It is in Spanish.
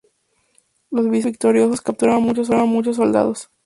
Los bizantinos victoriosos capturaron muchos soldados.